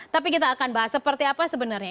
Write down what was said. tapi kita akan bahas seperti apa sebenarnya